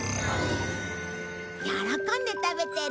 喜んで食べてる。